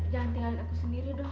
jangan tinggalin aku sendiri dong